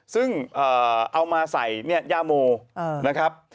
ซึ่งเอามาใส่ย่าโมนะครับ